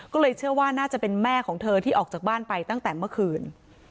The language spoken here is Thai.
ก็เลยเชื่อว่าน่าจะเป็นแม่ของเธอที่ออกจากบ้านไปตั้งแต่เมื่อคืน